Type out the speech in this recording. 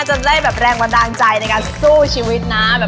จะได้แบบแรงบันดาลใจในการสู้ชีวิตนะ